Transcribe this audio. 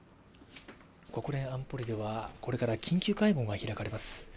国連安保理ではこれから緊急会合が開かれます。